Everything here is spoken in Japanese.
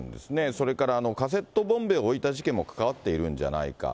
それからカセットボンベを置いた事件にも関わっているんじゃないか。